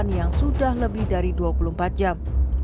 yang sudah lebih dari dua puluh empat jam